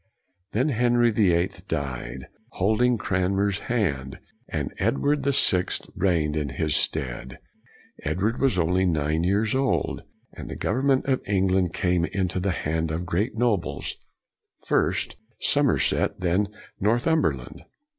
Then Henry the Eighth died, holding Cranmer's hand, and Edward the Sixth reigned in his stead. Edward was only nine years old, and the government of England came into the hand of great nobles, first Somerset, then Northumberland.